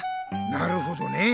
なるほどね。